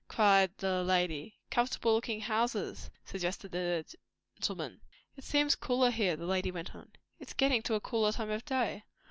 cried the lady. "Comfortable looking houses," suggested the gentleman. "It seems cooler here," the lady went on. "It is getting to a cooler time of day."